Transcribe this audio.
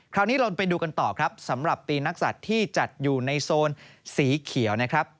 คราวนี้เราไปดูกันต่อครับสำหรับปีนักศัตริย์ที่จัดอยู่ในโซนสีเขียวนะครับ